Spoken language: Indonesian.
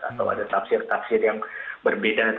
atau ada tafsir tafsir yang berbeda